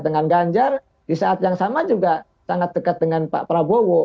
dengan ganjar di saat yang sama juga sangat dekat dengan pak prabowo